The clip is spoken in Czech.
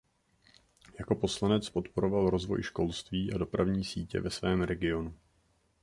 Jako poslanec podporoval rozvoj školství a dopravní sítě ve svém regionu.